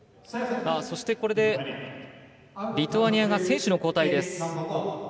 これで、リトアニアが選手の交代です。